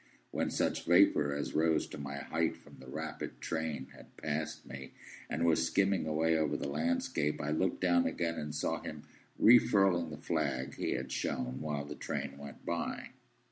When such vapour as rose to my height from this rapid train had passed me, and was skimming away over the landscape, I looked down again, and saw him refurling the flag he had shown while the train went by.